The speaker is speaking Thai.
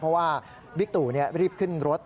เพราะว่าบิ๊กตู่รีบขึ้นรถ